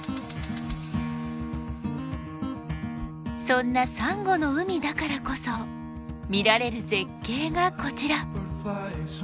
そんなサンゴの海だからこそ見られる絶景がこちら。